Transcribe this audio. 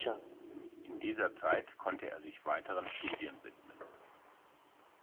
In dieser Zeit konnte er sich weiteren Studien widmen.